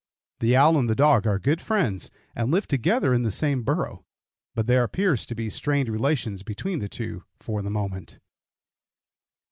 The owl and the dog are good friends and live together in the same burrow, but there appears to be strained relations between the two for the moment.